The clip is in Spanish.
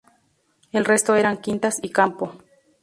El resto eran quintas y campo.